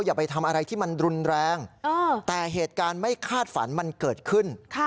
อย่าไปทำอะไรที่มันรุนแรงแต่เหตุการณ์ไม่คาดฝันมันเกิดขึ้น